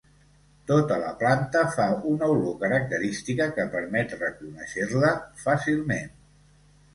Tota la planta fa una olor característica que permet reconèixer-la fàcilment.